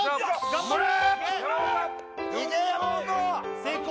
頑張れ！